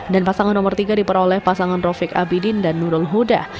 dan pasangan nomor tiga diperoleh pasangan raufiq abidin dan nurul huda